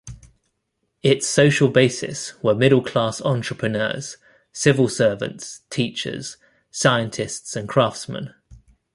Its social basis were middle class entrepreneurs, civil servants, teachers, scientists and craftsmen.